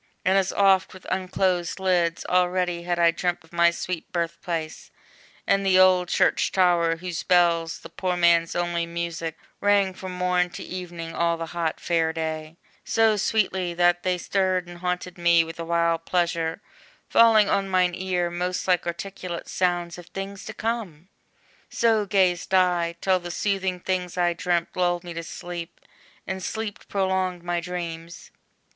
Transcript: and as oft With unclosed lids, already had I dreamt Of my sweet birth place, and the old church tower, Whose bells, the poor man's only music, rang From morn to evening, all the hot Fair day, So sweetly, that they stirred and haunted me With a wild pleasure, falling on mine ear Most like articulate sounds of things to come! So gazed I, till the soothing things, I dreamt, Lulled me to sleep, and sleep prolonged my dreams!